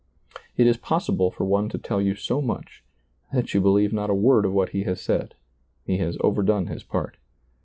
It is possible for one to tell you so much, that you believe not a word of what he has said; he has overdone his part.